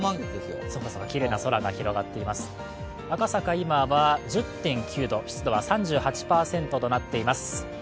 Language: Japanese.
今は１０．９度、湿度は３８％となっています。